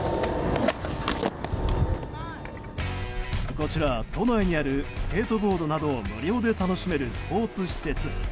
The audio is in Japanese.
こちら、都内にあるスケートボードなどを無料で楽しめるスポーツ施設。